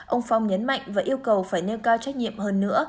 ông phong nhấn mạnh và yêu cầu phải nêu cao trách nhiệm hơn nữa